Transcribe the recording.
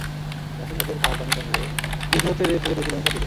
বাসিন্দাদের খাওয়ার পানি সংগ্রহে যেতে হচ্ছে দেড় থেকে দুই কিলোমিটার দূরে।